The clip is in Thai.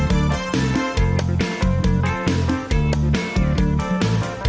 สวัสดีครับ